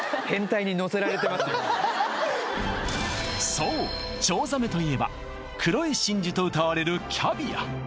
そうチョウザメといえば黒い真珠とうたわれるキャビア